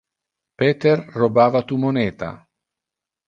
Peter robava tu moneta.